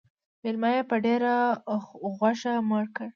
_مېلمه يې په ډېره غوښه مړ کړ.